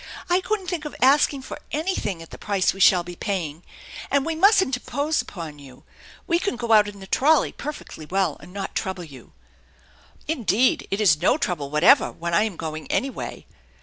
I couldn't think of asking for anything at the price we shall be paying. And we mustn't impose upon you. We can go out in the trolley perfectly well, and not trouble you." " Indeed, it is no trouble whatever when I am going any way."